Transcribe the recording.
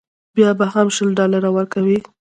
بیا به هم شل ډالره ورکوې.